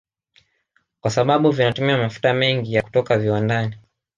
Kwa sababu vinatumia mafuta mengi ya kutoka viwandani